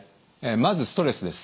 まずストレスです。